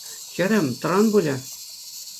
Хӗрӗм, тӑран пулӗ.